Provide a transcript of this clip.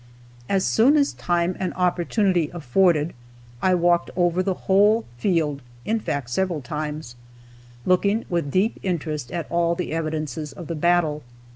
As soon as time and opportunity afforded, I walked over the whole field, (in fact, several times,) looking with deep interest at all the evidences of the battle.